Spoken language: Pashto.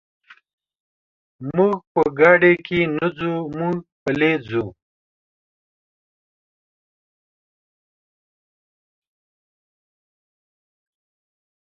موږ په ګاډي کې نه ځو، موږ پلي ځو.